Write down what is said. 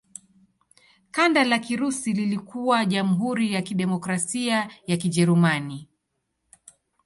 Kanda la Kirusi lilikuwa Jamhuri ya Kidemokrasia ya Kijerumani.